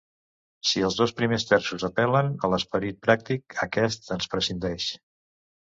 Si els dos primers terços apel·len a l'esperit pràctic, aquest en prescindeix.